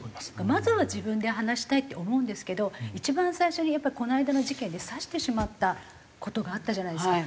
まずは自分で話したいって思うんですけど一番最初にやっぱりこの間の事件で刺してしまった事があったじゃないですか。